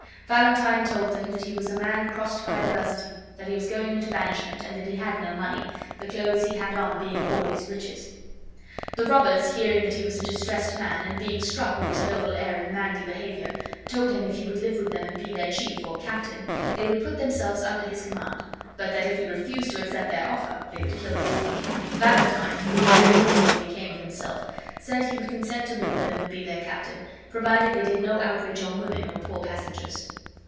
Valentine told them that he was a man crossed by adversity, that be was going into banishment, and that he had no money, the clothes he had on being all his riches. The robbers, hearing that he was a distressed man, and being struck with his noble air and manly behavior, told him if he would live with them and be their chief, or captain, they would put themselves under his command; but that if he refused to accept their offer they would kill him. Valentine, who cared little what became of himself, said he would consent to live with them and be their captain, provided they did no outrage on women or poor passengers.